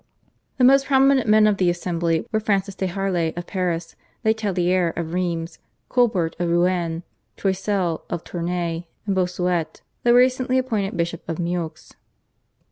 The most prominent men of the Assembly were Francis de Harlay of Paris, Le Tellier of Rheims, Colbert of Rouen, Choisseul of Tournay, and Bossuet, the recently appointed Bishop of Meaux.